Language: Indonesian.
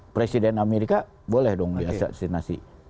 presiden amerika boleh dong di asasinasi